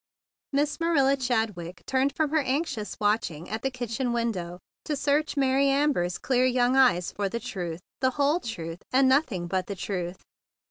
Miss Marilla Chadwick turned from her anxious watching at the kitchen window to search Mary Amber's clear young eyes for the truth, the whole truth, and nothing but the truth.